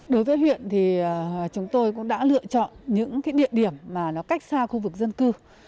đối với huyện thì chúng tôi cũng đã lựa chọn những cái địa điểm mà nó cách xa khu vực dân cư